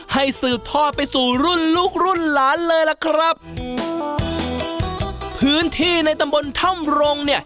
สืบทอดไปสู่รุ่นลูกรุ่นหลานเลยล่ะครับพื้นที่ในตำบลถ้ำรงเนี่ย